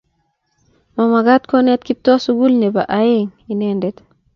Mamakat konet Kiptoo sukul nebo aeng inendet